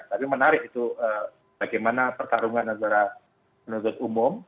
tapi menarik itu bagaimana pertarungan antara penuntut umum